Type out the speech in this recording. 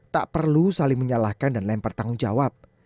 tak perlu saling menyalahkan dan lempar tanggung jawab